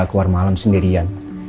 keluar malam sendirian